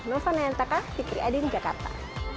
nelfon nayan taka di kriadin jakarta